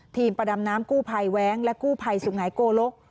ประดำน้ำกู้ภัยแว้งและกู้ภัยสุงหายโกลก